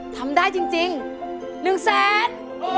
ทำได้จริง๑แสน